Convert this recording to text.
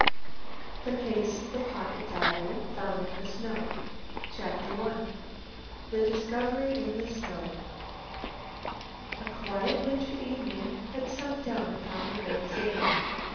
THE CASE OF THE POCKET DIARY FOUND IN THE SNOW CHAPTER ONE. THE DISCOVERY IN THE SNOW A quiet winter evening had sunk down upon the great city.